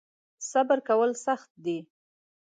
صبر کول سخت دی .